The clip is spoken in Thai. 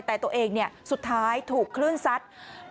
แต่ตัวเองสุดท้ายถูกคลื่นซัด